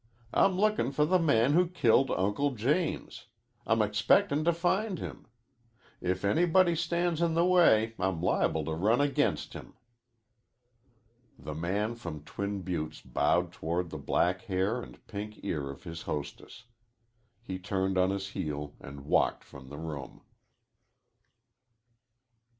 I'm lookin' for the man who killed Uncle James. I'm expectin' to find him. If anybody stands in the way, I'm liable to run against him." The man from Twin Buttes bowed toward the black hair and pink ear of his hostess. He turned on his heel and walked from the room.